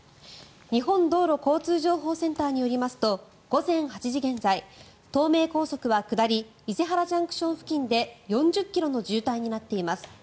日本道路交通情報センターによりますと午前８時現在東名高速は下り伊勢原ＪＣＴ付近で４０ｋｍの渋滞となっています。